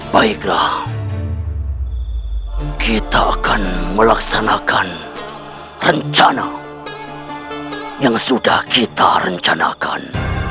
baiklah kita akan melaksanakan rencana yang sudah kita rencanakan